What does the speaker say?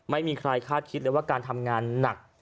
ไม่มีใครคาดคิดเลยว่าการทำงานหนัก